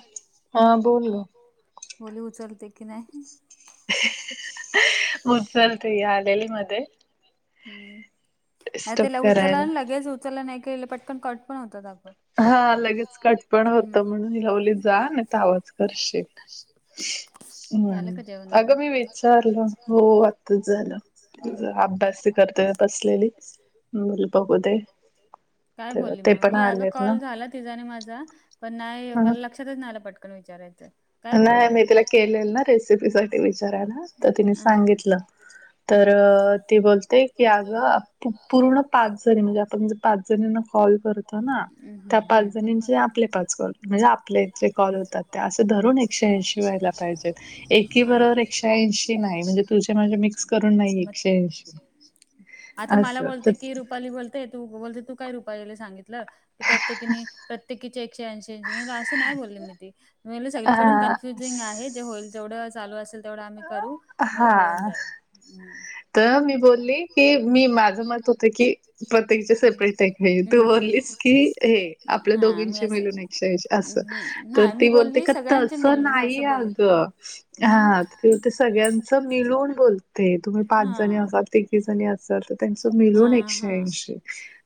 Hello? हा बोल हा ग. बोल म्हटलं उचलते की नाही. उचलते हे आलेले मध्ये हम्म डिस्टर्ब त्याला करायला. उचला ना लगेच उचला नाही. की पटकन कट पण होत. हा लगेच कटपण होतं. म्हणून हिला बोलली जा नाही. तर आवाज करशील ह झालं का जेवण वगैरे? अगं मी विचारलं हो आ झालं हम्म. अभ्यास करते बसलेली. बघू दे ते पाहा ते पण आलेत. ना तिचाही आणि माझा पण नाही. ह मला लक्षातच नाही आला पटकन विचारायचं काय बोलली नाही मी मग? तिला केलेल. ना रेसिपी साठी विचारायला तर तिने अ हं. सांगितलं. तर ती बोलते. की अंग पूर्ण पाच जणी म्हणजे म्हणजे पाच जणीना कॉल करतो ना! हम्म त्या हम्म पाच हम्म. जणीचे आपले पाच कॉल म्हणजे आपले जे कॉल होतात. त्या असे धरून एकूण एकशे ऐशी व्हायला पाहीजे. एकी हा. बरोबर एकशे ऐशी नाय म्हणजे तुझे माझे मिक्स करून करून नाही. मग एकशे ऐंशी आता मला असं बोलते तर की रुपाली बोलतेय तू बोलते तू काय रुपालीला सांगितलं. की प्रत्येकीने प्रत्येकीचे एकशे ऐंशी ऐंशी म्हणजे असं नाही. बोलली मी ते मी म्हटल सगळीकडून हा. कन्फ्युजिंग आहे. जे होईल जेवढं चालू असेल तेवढं. आम्ही करू मग होऊन जाईल त मी बोलली की मी माझ मत होत. की प्रत्येकीचे सेपरेट आहे. तू हम्म, हम्म. बोललीस की हे आपल्या हा मी दोघींची असं मिलून आहे. ऐकशे ऐशी असं तर नाही मी ती बोलते. बोलली का सगळ्यांचे तस मिळून ग नाही असं बोलले अगं मग हा ते ते सगळ्यांच मिलून बोलते. तुम्ही पाच हा जणी असा तिघी जणी अस त्यांच हा मिलून हा एकशे ऐंशी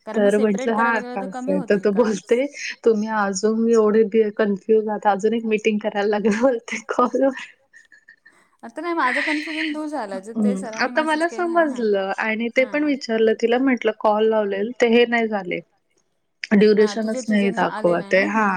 कारण मग तर म्हटलं सेपरेट करायला हा गेलं कां तर कमी आहे तर होतील तू का बोलते. तुम्ही अजून एवढे कन्फ्युज आता अजून एक मीटिंग करायला लागेल. कॉल वर आता नाही. माझं केन आता मला ना समजलं! आणि ते पण विचारलं. तिला म्हटलं कॉल लावले. ते हे नाही झाले. हां तुझे ड्युरेशनच नई तुझे ना आले नाही दाखवत ए... ना हा,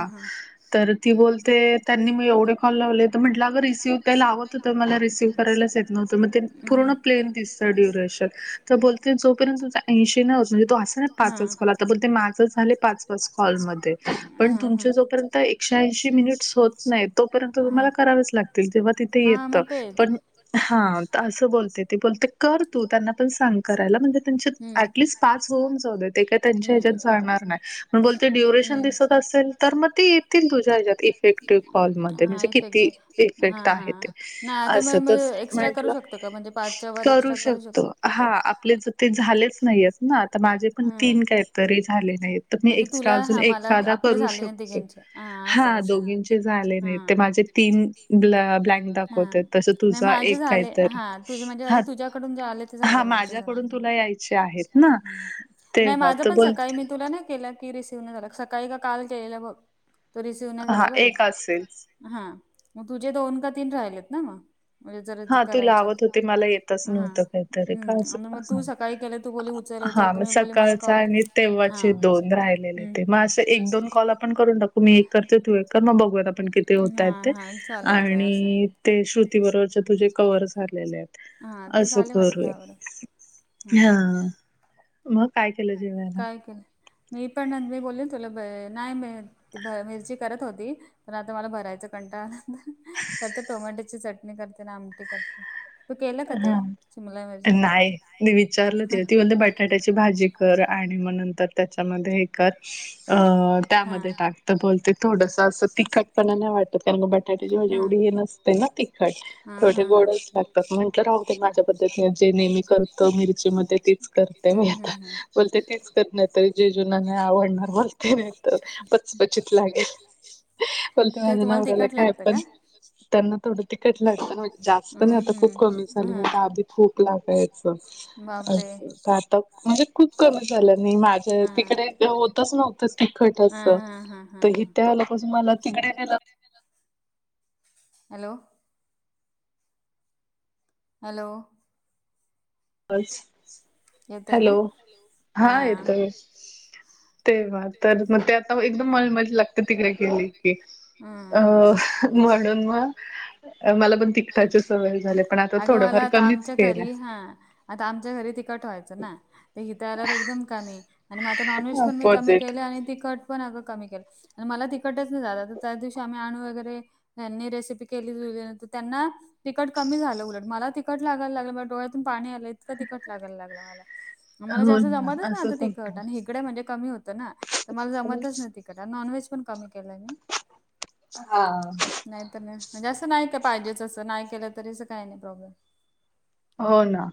तर ती बोलते त्यांनी मग एवढे कॉल लावलेत तर म्हटलं... अगं रिसीव तर लाव तर मला रिसिव्ह करायलाच येत नव्हतं... मग ते पूर्ण प्लेन दिसतं ड्युरेशन तर बोलते जोपर्यत तुझ ऐंशी नई होत... म्हणजे तो असा नाई पाचच कॉल, आता बोलते माझंच झाले पाच पाच कॉल मध्ये, पण तुमचे जोपर्यत एकशे ऐशी मिनिट्स होत नाहीत तोपर्यंत तुम्हाला करावेच लागतील... तेव्हा तिथे येतं, पण हा... तं... असं बोलते ती, बोलते कर तू, त्यांना पण सांग करायला, म्हणजे त्याचे हम्म ॲटलिस्ट... पाच होऊन जाऊ देत, ते काय त्यांच्या ह्याच्यात जाणार नाय. मग बोलते, ड्युरेशन दिसत असेल, तर मग ते येतील तुझ्या ह्याच्यात... इफेक्टिव्ह कॉल मध्ये, हा म्हणजे किती इफेक्टिव हा इफेक्ट हा, आहे ते नाई आता... म... असं म तर एक्स्ट्रा करू म्हंटलं शकतो का? म्हणजे, पाचच्या वर एक्स्ट्रा करू शकतो हा... आपले जर ते झालेच नाही येत ना... आता माझे पण हम्म तीन काय तरी झाले नाहीत, तर मी म्हणजे एक्स्ट्रा तुला अजून हा मला एखादा आपले करू झाले नाही शकते... तिघांचे असं हा, असं दोघींचे झाले हा नाही, ते माझे तीन ब्ल... ब्लँक दाखव हा... नाई माझे झाले. हा, तुझे म्हणजे, माझे हा तुझ्याकडून जे आले, ते हा झाले नाहीत. माझ्याकडून तुला यायचे आहेत ना नाई... तेव्हा माझं तर पण सकाळी मी बोलते तुला नाई केला की रिसीव्ह नाई झाला, सकाळी का काल केलेला बघ. तो रिसिव्ह नाही झाला बघ एक... हा एक असेल... हा मग तुझे, दोन का तीन राहिलेत ना मग? म्हणजे जर हा तू करायच्यात लावत होती... मला येतच हा नव्हतं, असं काहीतरी का हम्म आणि असं मग तू हं... सकाळी केलं तू बोली उचल हा उचल मग, तुम्ही बोली मला सकाळचा कॉलच आणि नाही हा तेव्हाचे दोन हम्म राहिले. मग हम्म असं, एक दोन कॉल आपण करून टाकू... मी एक करते, तू एक कर... मग बघुयात आपण किती झाले ते होत हा आहेत ते... हा चालेल चालेल असं आणि, ते श्रुती बरोबरचे तुझे कव्हर झालेले हेत. हा ते असं झाले माझे करूया... दहा बरं हम्म हा. मग काय केलं जेवायला? काय केलं? मी पण, मी बोलली न तुला... नाई मि... मिरची करत होती पण आता मला भरायचा कंटाळा आला आता... करते टोमॅटोची चटणी करते नं आमटी करते. तू केलं का ते हा, शिमला मिरचीच? न्हाई, मी विचारलं तिला... ती म्हणते बटाट्याची भाजी कर आणि- नी मग नंतर त्याच्यामध्ये अं... ह हा त्यामध्ये टाकतं, बोलते... थोडसं असं तिखटपणा नाई वाटत तर त्यामुळे बटाट्याची भाजी हा एवढी हे नसते ना तिखट... हा हा थोेडी हा गोडच लागतात म्हणजे राहू दे... माझ्या पद्धतीने, जे नेहमी करतो... मिरची मध्ये तीच करते मी हम्म आता. हम्म हम्म. बोलते तीच कर नाय तर... जिजुंना नाई आवडणार बोलते, नाई तर... पचपचित लागेल. बोलते, ते माझ्या तुम्हाला नवऱ्याला तिखट काय लागतं पण का? त्यांना थोडं तिखट लागतं, असं जास्त नाई, हम्म आता खूप कमी [inaudible] हम्म हा च्या आधी खूप लागायचं बापरे! असं, तर आता, म्हणजे खूप कमी झालं. मी माझ्या हा. तिकडं होतच नव्हतं. तिखट हा असं, हा हा हा तर हा हितं आल्यापासून मला तिकडे यायला हॅलो. हॅलो. येतोय ना हॅलो, हा येतोय. तेव्हा तर, मग ते आता, एकदम मळमळीत लागतं तिकडं केली की, हम्म हम्म अं म्हडून मग मला पण तिखटाची सवय झाली पण आता अगं... मला थोडंफार आता कमीच आमच्या केलंय. घरी हा आता आमच्या घरी तिखट व्हायचं ना... तर हितं आल्यावर एकदम कमी आणि मग आता नॉनव्हेज पण मी कमी अपोजिट केले, आणि तिखट पण अगं कमी केलं. आणि मला तिखटच नई जात. आता त्या दिवशी आम्ही [unintelligible] वगैरे ह्यांनी रेसिपी केली [unintelligible] त्यांना तिकट कमी झालं उलट मला तिकट लागायला लागलं माझ्या डोळ्यातून पाणी आलंय. इतकं तिखट लागायला लागलं मला मला हो जास्त जमतच ना आता असंच तिखट होतं. आणि हिकडे म्हणजे कमी होतं ना. तर मला जमतच नाही तिकट अन नॉनव्हेज पण कमी केलंय मी. हां. नाही तर नाही म्हणजे असं नाही का पाहिजेच असं नाही केलं तरीच काही नाही प्रॉब्लेम. हो ना.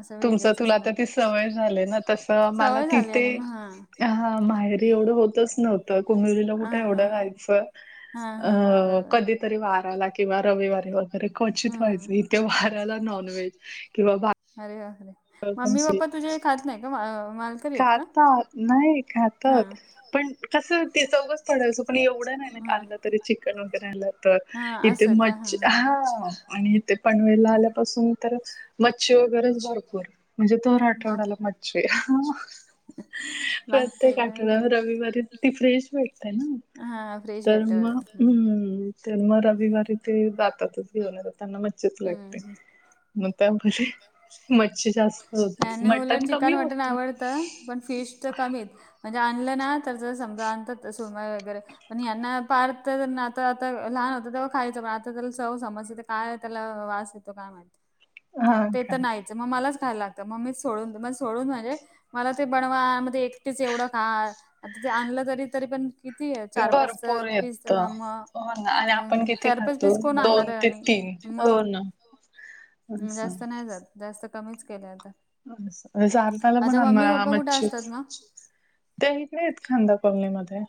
असं तुमच वेगळंच तुला असं आता लागत ती सवय झाले ना तस मला सवय झाली तिथे आणि मग ह माहेरी एवढं होतच नव्हतं कुमेरीला हा कुठे हा हा एवढं हा राहयच. हा हा हा अ बरोबर कधीतरी वाराला किंवा रविवारी वगैरे क्वचित व्हायच हम्म इ ते वाराला नॉनव्हेज किंवा भा अरे बापरे मम्मी पप्पा तुझे खात नाही का मा आहेत का खातात नाही हा खातात पण कस ते चौघच पडायचं पण एवढं नाही ना हा आनल तरी चिकन वगैरे आल तर हा इथे असं का मच्छ हा आणि इथे पनवेला आल्यापासून तर मच्छी वगैरेच भरपूर म्हणजे दर हा आठवडाला मच्छी. हा. [unintelligible] लागतंय प्रत्येक आठवड्या वर का रविवारी ती फ्रेश भेटते ना. हा फ्रेश तर भेटत मग हा. हम्म मग रविवारी ते जातातच, घेऊन येतात, त्यांना मच्छीच लागते. हम्म मग त्यामध्ये मच्छी जास्त होते, यांना उलट मटण चिकन कमी मटन होतं. आवडतं पण फीश तर कमीच म्हणजे आणलं ना तर समजा आणतात सोमवारी वगैरे पण यांना पार्थ त्यांना आता आता लहान होतं तेव्हा खायचं पण आता त्याला चव समजते काय त्याला वास देतो काय माहित हा आणि ते का तर नाही. मग मलाच खाय लागत मग मीच सोडून मग सोडून म्हणजे मला ते बनवा मग ते एकटीच एवढं खा, आता ते आणलं तरी तरी पण ती चार पाच भरपूर पीस तर येत म म हो ना आणि अ आपण किती चार पाच पीस खातो कोण आणणार दोन ते आणि तीन हो ना. मग असं जास्त नाही जात जास्त कमीच केले आता, असं साताला पण आता आण मम्मी पप्पा कुठे असतात मग? ते इकडे आहेत खांदा कॉलनीमध्ये.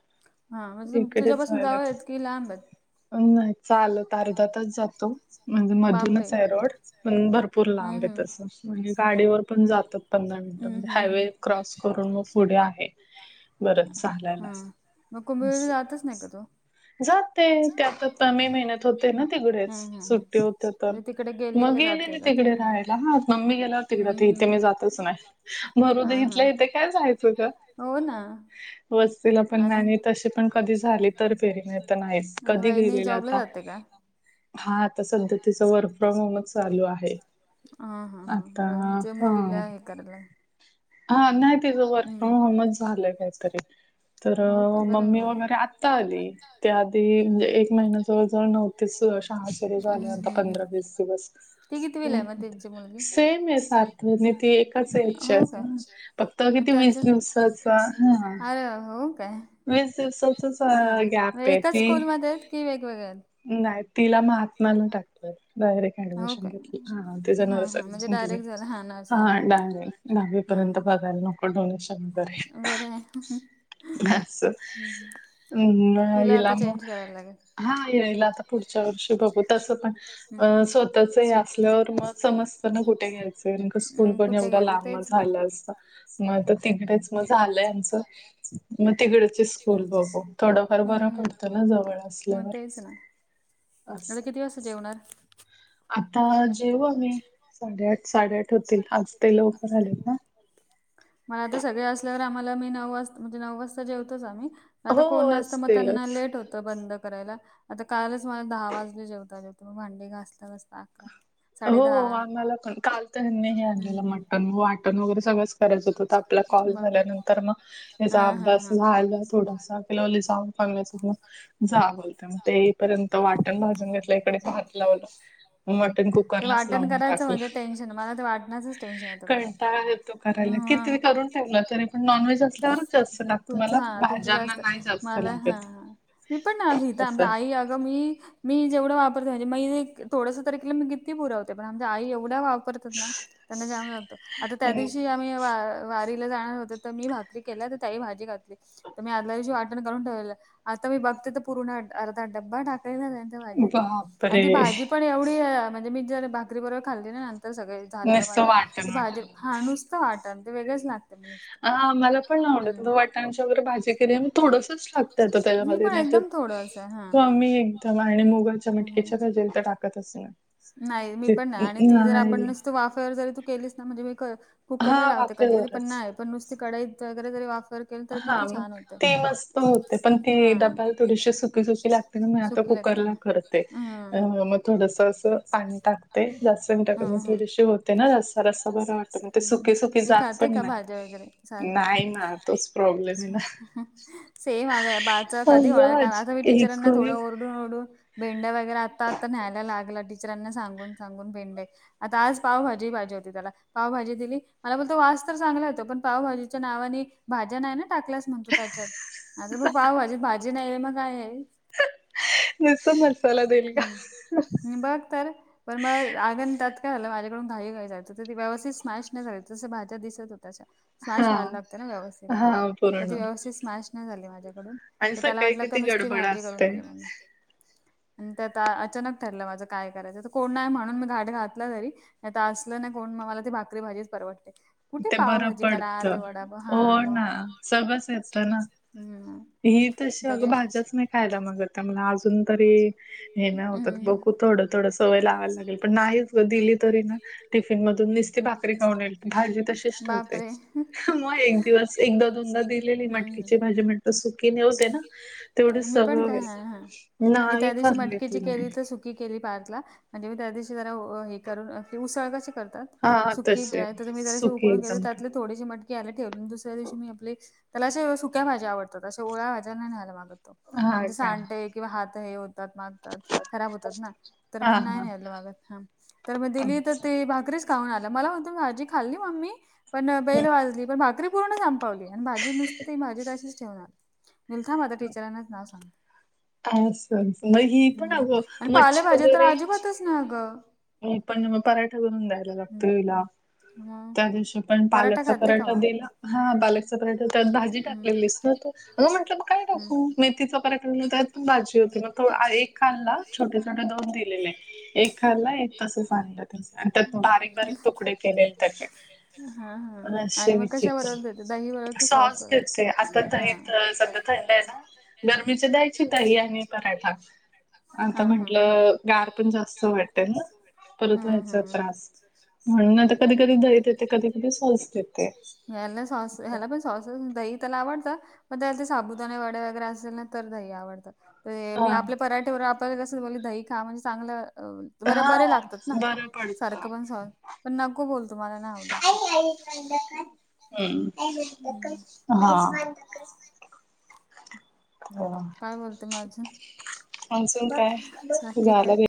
हा म्हणजे इकडेच तुझ्यापासून जवळ राहिलेत. आहेत की लांब आहेत? नाही चालत अर्धा तास जातो म्हणजे बापरे! मधूनच आहे रोड पण भरपूर भरपूर हम्म लांब आहे हम्म. तसं, म्हणजे गाडीवर पण जातात पंधरा मिनिटांत हम्म म्हणजे हम्म हायवे क्रॉस करून मग पुढे आहे. बरंच चालायला हा मग कुंभ वेलला असं. जातच नाही का तु? जाते त्यात आता मे महिन्यात होते ना तिकडेच हम्म हम्म हम्म. सुट्टी होते तर म्हणजे तिकडे मग की गेले ना जातोय का तू? तिकडे हां. राहायला ह मम्मी गेल्यावर तिकडं हम्म तर इथे हम्म. मी जातच नाही हां मरुदे हां. इथल्या इथे काय जायचं त्यात. हो ना. वस्तीला पण आणि नाही मी तसे पण कधी झाले तर गेले नाही तर नाहीच आणि कधी वहिनी गेलेले आता हा सध्या तिचं वर्क फ्रॉम होमच चालू आहे हा हा हा आता हो ते हा मुलीला हे करायला. [inaudible] हा नाही तिचं वर्क फ्रॉम हम्म. होमच झालंय काहीतरी? तर हो का बरं आहे मम्मी मग. वगैरे आत्ता आली. त्या आधी म्हणजे एक महिना जवळ जवळ नव्हतीच शाळा सुरू हम्म झाल्या आता हम्म हम्म. पंधरा वीस दिवस. ती कितवीला आहे मग त्यांची मुलगी. सेम आहे सार्थ आणि ती एकाच [inaudible] एजची हो आहेत का? ना. फक्त मग किती वीस त्यांचं दिवसाचा हा. [inaudible] अरे वा हो काय वीस दिवसाचाच हा. गॅप आहे एकाच ती स्कूलमध्ये आहेत की वेगवेगळ्या? नाही तिला महात्मानं टाकलंय डायरेक्ट हो ऍडमिशन काय घेतलं ह ते हा हा म्हणजे डायरेक्ट झालं [unintelligible] नर्स हा दहावी. दहावी हा पर्यंत बघायला नको डोनेशन भर रयत किती जास्त. म तुला हिला आता म चेंज करायला लागेल. हा यायला आता पुढच्या वर्षी बघू तसं पण. अ हम्म स्वतःचं हे असल्यावर मग समज कुठे घ्यायचंय न स्कूल मग पण कुठे एवढं घ्यायचं लांब म तेच ना झालं असतं म आता तिकडेच म झालंय आमचं. मग तिकडचे स्कूल बघू. थोडंफार हम्म बरं हम्म पडतं ना जवळ मग असल्यावर. तेच ना आता असं किती वाजता जेवणार? आता जेऊ आम्ही. साडेआठ साडेआठ होतील. आज ते लवकर आलेत ना! मला आता सगळे असल्यावर आम्हाला, आम्ही नऊ वाजता म्हणजे नऊ वाजता जेवतोच आम्ही. आता हो कोण नसतं म त्यांना असतीलच लेट होतं बंद करायला आता कालच मला दहा वाजले जेवता. म भांडी घासता घासता अकरा. साडे हो दहा आम्हाला पण काल. त्यांनी हे हम्म आणलेलं मटण. वाटण वगैरे सगळंच करायच होतं आपला कॉल बापरे झाल्यानंतर मग. हा त्याचा हा अभ्यास हा राहीला थोडासा. त्याला म्हणलं जावुन कर म तिकडं. जा बोलते मग. ते येईपर्यंत वाटण भाजून घेतलं इकडे भात लावलं. म मटन कुक.. ते करलाच वाटण लावुन करायचं टाकलं. म्हणजे टेन्शन मला ते वाटणाचंच टेन्शन येतं करायला. कंटाळा येतो करायला हा. किती करून. तरी पण नॉनव्हेज असल्यावरच जास्त लागत तुमचं मला. हा तुमचं भाज्यांना जास्त नाही जास्त मला हा लागत हा मी पण ना. घेत असं आमच्या आई अगं मी मी जेवढं वापरते म्हणजे मी थोडंस तर मी किती पुरवते. पण आमच्या आई एवढ्या वापरत. त्यांना. त्यांना जाम लावत. आता आणि त्यादिवशी या वारीला जाणार होत तर मी भाकरी केल्या तर त्यांनी भाजी घातली. तर मी आदल्यादिवशी वाटण करून ठेवलंल. आता मी बघते तर पूर्ण अर्धा ड्बा टाकलेला आणि बापरे ती भाजी पण एवढी म्हणजे मी जर भाकरीबरोबर खाल्ली ना नंतर सगळी. झाल्यावर नुसतं माझं. वाटण ते भाजी वाटण हा नुसतं वाटण. ते वेगळेच लागतं हा मला पण नाही आवडतं. वाटण्याची वगैरे भाजी केली मी थोडसंच खाते सर्प मी तळ्यामध्ये पण नाहीतर एकदम थोडंस हा. हो मी एकद मुगाच्या मटकीेच्या हम्म. भाजीला तर टाकतच नाही. नाही मी ते पण नाही आणि ती जर आपण नाही नुसत वाफेवर जरी तू केलीस ना म्हणजे मी कर हा कुकरला लावते कधी. पण वाफेवरच नाही पण नुसती कढाईत वगैरे तरी वाफ हा मग ती मस्त होते. पण ती हा. दाताला थोडीशी सुकी सुकी लागते म्हणुन मी आता सुकी लागते कुकरला हम्म. करते. अ म थोडस अस पाणी टाकते. जास्त घट्ट म हम्म ती हम्म. जशी होते ना रस्सा रस्सा बर वाटत बघ हम्म. ही खाते का भाज्या वगैरे सार. नाही ना तोच प्रॉब्लेम आहे ना. सेम ह. का बाच कधी होणार अगं का असं मी टीचरांना थोडं एक ओर डून. भेंड्या वगैरे आता आता न्यायला लागला टीचरांना सांगून सांगून भेंडे आता आज पावभाजी पाहिजे होती त्याला. पावभाजी दिली. मला बोलतो वास तर चांगला येतो. पण पावभाजीच्या नावाने भाज्या नाही ना टाकल्यास म्हणतो त्याच्यात. आता पाव भाजी भाजी नाही आहे मग काय आहे नुसते मसाला देईल का हम्म बघ तर पण मग अगं अन त्यात काय झालं, माझ्याकडून घाई घाई झाली. तर ती व्यवस्थित स्मॅश नाही झाली, तशा भाज्या दिसत होत्या. स्मॅश हा. व्हायला लागते ना, व्यवस्थित हा. तर ती व्यवस्थित स्मॅश नाही झाली माझ्याकडून. आणि तर त्याला सकाळी वाटलं का, किती नुसती गडबड भाजी करून असते दिली म्हणून. अन त्यात अचानक ठरलं माझं काय करायचं? तर कोण नाही म्हणून, मी घाट घातला तरी. नाही तर असलं ना कोण, मला ती भाकरी भाजीच परवडते. कुठे ते बरं पावभाजी करा, पडतं. ते वडापा. हा हो मग. ना सगळंच येतं ना. हम्. ही तशी अगं, भाज्याच नाही खायला मागतं मला अजून. तरी हे ना होतं हम्म बघू थोडं थोडं सवय लावायला लागेल, पण नाहीच गं दिली तरी ना टिफिन मधून निस्ती भाकरी खाऊन आली, भाजी तशीच ठेवते. बापरे मग एक दिवस असं एकदा दोनदा दिलेली, हम्म मटकीची भाजी म्हण तर सुकी नाही होते ना, तेवढेच ना. मी पण सवय काय होईल. हा हा मी त्या नाही दिवशी खाल्ली मटकीची केली तिने. तर सुक की केली पार्थला. म्हणजे मी त्या दिवशी जरा ओ हे करून अं आपली उसळ कशी करतात हा सुकी तसे ड्राय तर मी जरा असे सुकी उकळून घेते. एकदम त्यातले थोडीशी मटकी ह्याला ठेवून, दुसऱ्या दिवशी मी आपले त्याला अशे सुक्या भाज्या आवडतात, अशा ओल्या भाज्या नाही खायला मागत. हा म्हणजे का सांडतय किंवा हात हे होतात, माखतात. खराब होतात ना, तर हा मग नाही हा न्ह्यायला मागत. हा. तर मग दिली तर अच्छा ते, भाकरीच खाऊन आला. मला म्हणतो भाजी खाल्ली मम्मी, पण बेल वाजली. पण भाकरी पूर्ण संपवली आणि भाजी नुसती, भाजी तशीच ठेवून आला. मी म्हणलं, थांब आता टीचरांनाच नाव सांगते. आसंच. हम्म. आणि पालेभाज्या तर आजिबातच नाही अगं. मी पण मग, पराठा करून द्यायला लागतो हिला. मग त्या दिवशी पण, पालकचा खाते का पराठा मग? दिला. हा, पालकचा पराठा. त्यात भाजी हम्म टाकलेलीस ना तू? अगं म्हटलं मग काय हम्म. टाकू? मेथीचा पराठा दिला तर. भाजी होती, मग थो एक खाल्ला. छोटे छोटे दोन दिलेले, एक खाल्ला एक तसंच आणलं त्यानी आणि त्यात बारीक बारीक तुकडे केलेले त्याचे. हा हा तर आणि रस्से मग कशा विचित्रं. बरोबर देते दही बरोबर कि सॉस बरोबर घेतंय, आता हा. दही त सध्या थंड आहे ना, गर्मीचं द्यायची दही आणि पराठा. आता हा हा म्हंटलं गार पण जास्त वाटेल ना, परत हम्म व्हायचा हम्म. त्रास. म्हणून आता कधी कधी दही देते, कधी कधी सॉस देते. ह्याला सॉस, ह्याला पण सॉसेस दही त्याला आवडतं मग त्याला ते साबुदाणे वडे वगैरे असेल ना, तर दही आवडतं. ते हा मी आपल्या पराठेबरोबर, आपल्याला कसं बोलली दही खा म्हणजे चांगलं अ ल बर्या, हा बरे लागतात ना. बरं पडत सारखं पण सॉस, पण नको बोलतो मला नाही आवडत ते. ढकल, हम. आई माझी ढकल, हम्म. हा. [unintelligible] ढकल. हो, काय बोलते मग अजून मान्सून काय? कोणी बाकी आलं काय गे